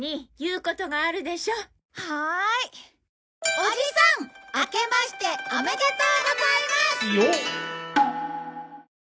おじさんあけましておめでとうございます！